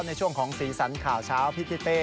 ในช่วงของสีสันข่าวเช้าพี่ทิเต้